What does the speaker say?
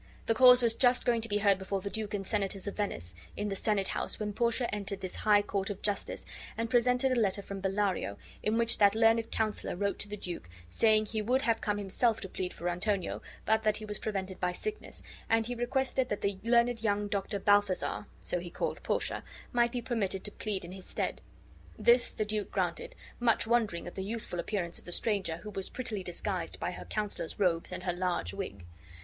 The cause was just going to be heard before the Duke and Senators of Venice in the Senate House when Portia entered this high court of justice and presented a letter from Bellario, in which that learned counselor wrote to the duke, saying he would have come himself to plead for Antonio but that he was prevented by sickness, and he requested that the learned young Doctor Balthasar (so he called Portia) might be permitted to plead in his stead. This the Duke granted, much wondering at the youthful appearance of the stranger, who was prettily disguised by her counselor's robes and her large wig.